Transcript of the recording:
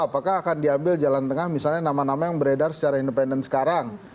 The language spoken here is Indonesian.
apakah akan diambil jalan tengah misalnya nama nama yang beredar secara independen sekarang